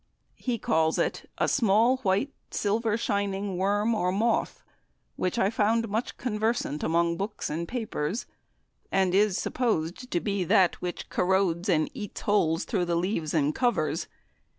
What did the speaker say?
He calls it "a small white Silver shining Worm or Moth, which I found much conversant among books and papers, and is supposed to be that which corrodes and eats holes thro' the leaves and covers.